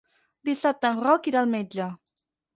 Dissabte en Roc irà al metge.